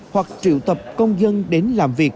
hoặc triệu tập công dân đến làm việc